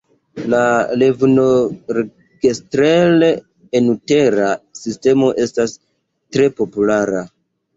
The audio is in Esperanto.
La "levnorgestrel"-enutera sistemo estas tre populara.